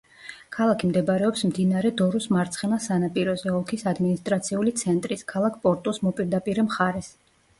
ქალაქი მდებარეობს მდინარე დორუს მარცხენა სანაპიროზე, ოლქის ადმინისტრაციული ცენტრის, ქალაქ პორტუს მოპირდაპირე მხარეს.